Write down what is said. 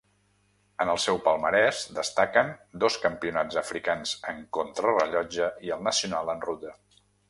En el seu palmarès destaquen dos Campionats africans en contrarellotge i el nacional en ruta.